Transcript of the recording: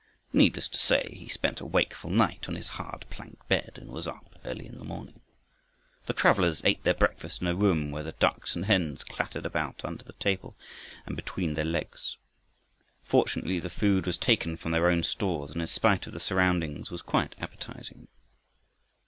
Needless to say he spent a wakeful night, on his hard plank bed, and was up early in the morning. The travelers ate their breakfast in a room where the ducks and hens clattered about under the table and between their legs. Fortunately the food was taken from their own stores, and in spite of the surroundings was quite appetizing.